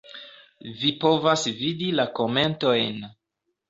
Vi povas vidi la komentojn.